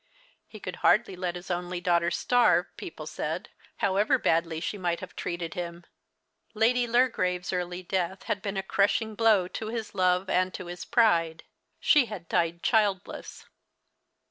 He could hardly let his only daughter starve, people said, however badly she might have treated him. Lady Lurgrave's early death had been a crush ing blow to his love and to his pride. She had died childless.